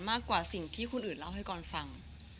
มากกว่าสิ่งที่คนอื่นเล่าให้กรฟัง